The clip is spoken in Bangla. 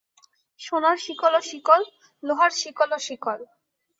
সোনার শিকলও শিকল, লোহার শিকলও শিকল।